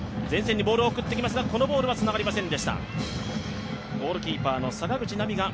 前線にボールを送っていきますが、このボールはつながりませんでした。